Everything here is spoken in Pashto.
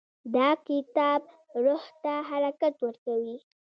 دا کتاب روح ته حرکت ورکوي.